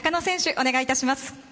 お願いいたします。